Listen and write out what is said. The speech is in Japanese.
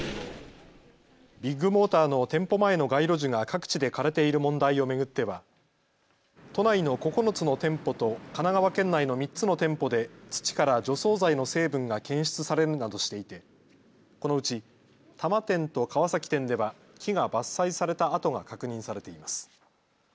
ビッグモーターの店舗前の街路樹が各地で枯れている問題を巡っては都内の９つの店舗と神奈川県内の３つの店舗で土から除草剤の成分が検出されるなどしていてこのうち多摩店と川崎店では木が伐採された跡が確認されています。